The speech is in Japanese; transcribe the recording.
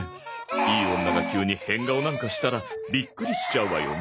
いい女が急に変顔なんかしたらビックリしちゃうわよね。